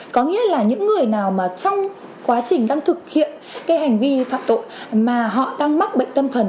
có nghĩa là những người nào mà trong quá trình đang thực hiện cái hành vi phạm tội mà họ đang mắc bệnh tâm thần